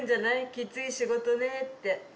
きつい仕事ねって。